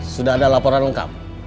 sudah ada laporan lengkap